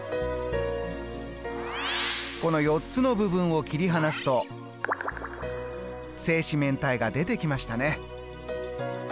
この４つの部分を切り離すと正四面体が出てきましたね。